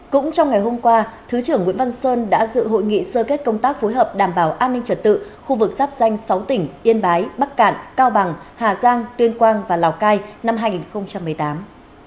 cũng trong ngày hôm qua thứ trưởng nguyễn văn sơn đã dự hội nghị sơ kết công tác phối hợp đảm bảo an ninh trật tự khu vực sắp danh sáu tỉnh yên bái bắc cạn cao bằng hà giang tuyên quang và lào cai năm hai nghìn một mươi tám